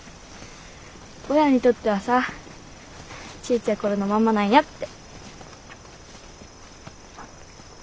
親にとってはさちいちゃい頃のまんまなんやって。